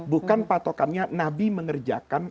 bukan patokannya nabi mengerjakan